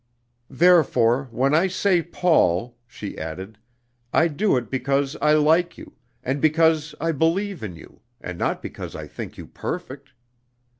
"Therefore, when I say Paul," she added, "I do it because I like you, and because I believe in you, and not because I think you perfect."